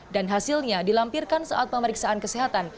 dan hasilnya dilampirkan saat pemeriksaan kesehatan